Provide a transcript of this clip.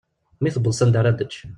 Mi tewweḍ s anda ra d-tečč.